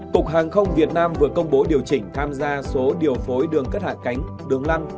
cục hàng không việt nam vừa công bố điều chỉnh tham gia số điều phối đường cất hạ cánh đường lăn